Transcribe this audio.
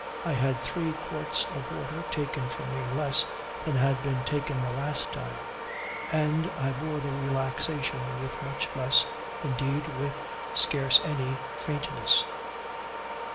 I had three quarts of water taken from me less than had been taken the last time; and I bore the relaxation with much less (indeed with scarce any) faintness.